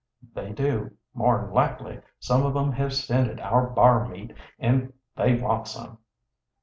"They do. More'n likely some of 'em have scented our b'ar meat and they want some."